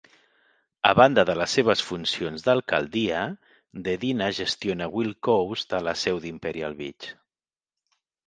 A banda de les seves funcions d'alcaldia, Dedina gestiona Wildcoast a la seu d'Imperial Beach.